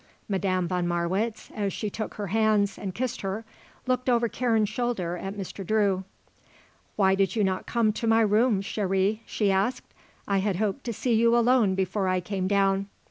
Madame von Marwitz, as she took her hands and kissed her, looked over Karen's shoulder at Mr. Drew. "Why did you not come to my room, chérie?" she asked. "I had hoped to see you alone before I came down."